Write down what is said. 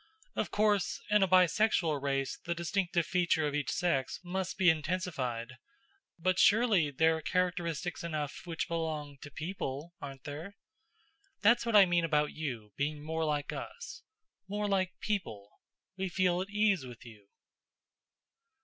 Of course, in a bi sexual race the distinctive feature of each sex must be intensified. But surely there are characteristics enough which belong to People, aren't there? That's what I mean about you being more like us more like People. We feel at ease with you."